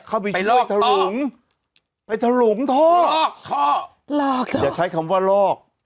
เข้าไปช่วยทะหลุงไปทะหลุงท่อลอกท่อลอกท่ออย่าใช้คำว่าลอก